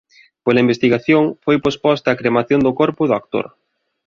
Pola investigación foi posposta a cremación do corpo do actor.